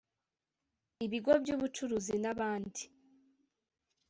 ibigo by’ubucuruzi n’abandi